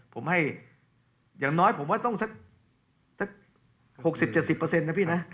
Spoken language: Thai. ผมให้อย่างน้อยผมว่าต้องสัก๖๐๗๐นะพี่นะ